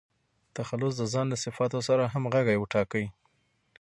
تخلص د ځان له صفاتو سره همږغى وټاکئ!